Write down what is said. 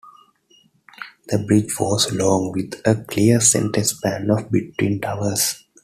The bridge was long with a clear center span of between towers.